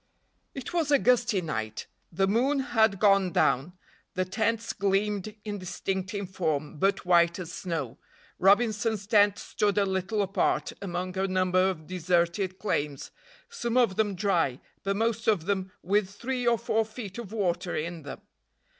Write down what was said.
IT was a gusty night. The moon had gone down. The tents gleamed indistinct in form, but white as snow. Robinson's tent stood a little apart, among a number of deserted claims, some of them dry, but most of them with three or four feet of water in them.